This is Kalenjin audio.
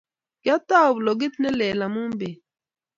kiatou blogit ne lel amut beet